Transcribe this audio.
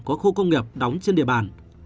có khu công nghiệp đóng trên địa bàn